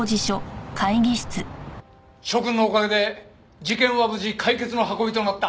諸君のおかげで事件は無事解決の運びとなった。